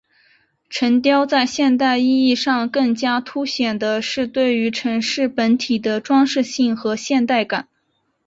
城雕在现代意义上更加凸显的是对于城市本体的装饰性和现代感。